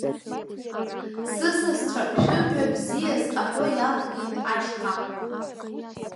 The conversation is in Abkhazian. Сысасцәа шәымҩа бзиаз аҳәо иалагеит ашьха.